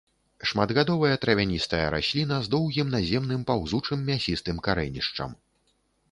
Шматгадовая травяністая расліна з доўгім наземным паўзучым мясістым карэнішчам.